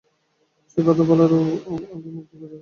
সেই কথা বলবার বেলাতেই ওর মুখ দিয়ে বেরল উলটো কথা।